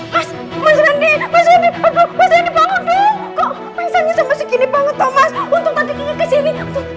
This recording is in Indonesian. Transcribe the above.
mas reddy kok pingsannya masih gini banget mas untung tadi kini kesini